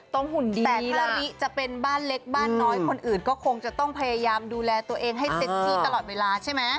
หุ่นดีแต่ละทีละลิจะเป็นบ้านเล็กบ้านน้อยคนอื่นก็คงจะต้องพยายามดูแลตัวเองให้เซ็กซี่ตลอดเวลาใช่ไหม